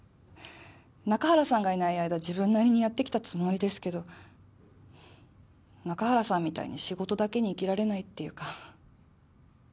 中原さんがいない間自分なりにやってきたつもりですけど中原さんみたいに仕事だけに生きられないっていうか。